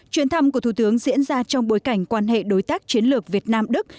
chuyến thăm của thủ tướng diễn ra trong bối cảnh quan hệ đối tác chiến lược việt nam đức